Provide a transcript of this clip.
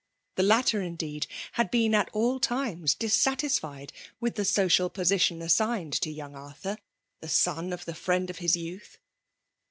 The latter, indeed> had been at all times dissatisfied with the social position assigned to joang Arthur, the son of the friend of his youth.